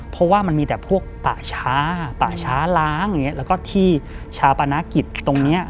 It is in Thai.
เพราะว่ามันมีแต่พวกป่าช้าป่าช้าร้างแล้วก็ที่ชาปานากิจตรงเนี่ย